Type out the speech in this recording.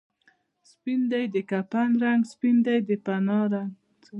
سپین دی د کفن رنګ، سپین دی د فنا رنګ